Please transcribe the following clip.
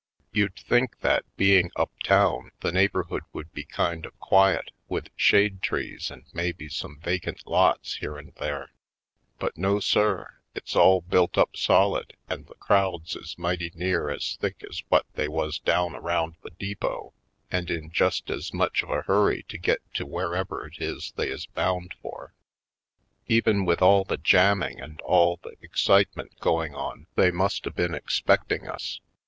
You'd think that, being up town, the neighborhood would be kind of quiet, with shade trees and maybe some vacant lots here and there, but, no, sir; it's all built up solid and the crowds is mighty near as thick as what they was down around the depot and in just as much of a hurry to get to wherever it is they is bound for. Even with all the jamming and all the Manhattan Isle 43 excitement going on they must a been ex pecting us.